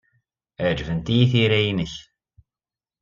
Ɛejbent-iyi tira-nnek.